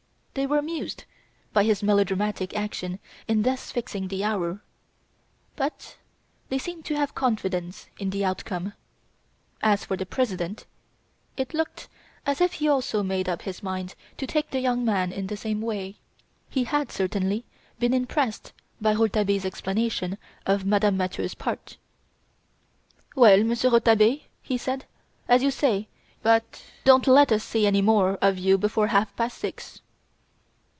They were amused by his melodramatic action in thus fixing the hour; but they seemed to have confidence in the outcome. As for the President, it looked as if he also had made up his mind to take the young man in the same way. He had certainly been impressed by Rouletabille's explanation of Madame Mathieu's part. "Well, Monsieur Rouletabille," he said, "as you say; but don't let us see any more of you before half past six."